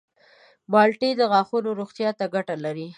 مالټې د غاښونو روغتیا ته ګټه لري.